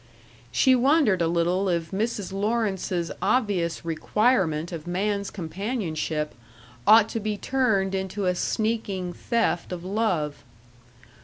She wondered a little if Mrs. Lawrence's obvious requirement of man's companionship ought to be turned into a sneaking theft of love.